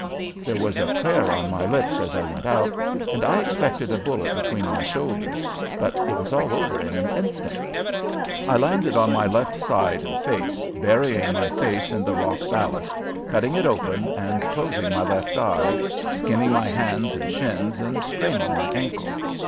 There was a prayer on my lips as I went out and I expected a bullet between my shoulders, but it was all over in an instant. I landed on my left side and face, burying my face in the rock ballast, cutting it open and closing my left eye, skinning my hands and shins and straining my ankle.